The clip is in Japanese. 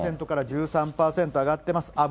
４％から１３％上がっています。